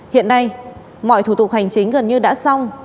hiện nay mọi thủ tục hành chính gần như đã xong